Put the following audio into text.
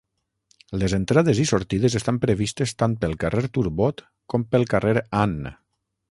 Les entrades i sortides estan previstes tant pel carrer Turbot com pel carrer Ann.